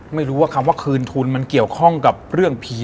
ไม่รู้ว่าคำว่าคืนทุนมันเกี่ยวข้องกับเรื่องผี